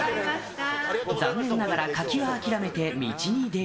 残念ながら柿は諦めて道に出る。